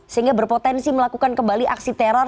sehingga berpotensi melakukan kembali aksi teror